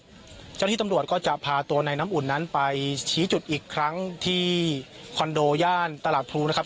เจ้าหน้าที่ตำรวจก็จะพาตัวในน้ำอุ่นนั้นไปชี้จุดอีกครั้งที่คอนโดย่านตลาดพลูนะครับ